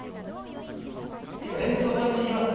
点数を取りにいきます。